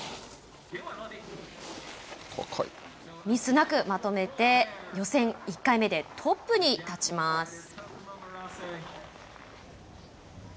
ミスなくまとめて予選１回目でトップに立ちます。